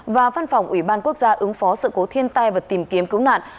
và văn phòng ủy ban quốc gia ứng phó sự cố thiên tai và tìm kiếm cứu nạn